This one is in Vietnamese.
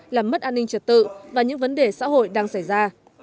làm mất an ninh trật tự và những vấn đề xã hội đang xảy ra